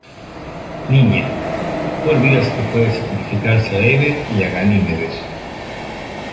niña, tú olvidas que puede sacrificarse a Hebe y a Ganimedes.